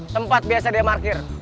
tempat biasa dia markir